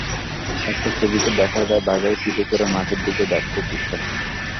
একটি ছবিতে দেখা যায়, বাঘের পিঠে চড়ে মাঠের দিকে যাচ্ছে কিষান-কিষানি।